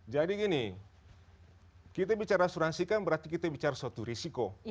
jadi gini kita bicara asuransi kan berarti kita bicara suatu resiko